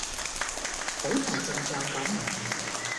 好大陣仗噉